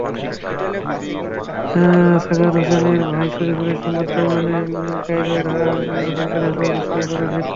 সাখাওয়াৎ হোসেনের ভাই শফিকুল ইসলাম বর্তমানে কাইয়ারহাট সরকারি প্রাথমিক বিদ্যালয়ের প্রধান শিক্ষক।